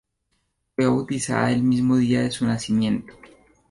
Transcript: Fue bautizada el mismo día de su nacimiento.